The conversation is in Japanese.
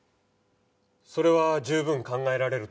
それは十分考えられると思います。